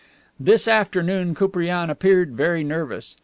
This afternoon Koupriane appeared very nervous.